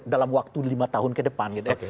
dalam waktu lima tahun kedepan gitu ya